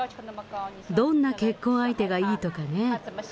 どんな結婚相手がいいとかね。